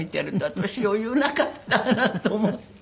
私余裕なかったなと思って。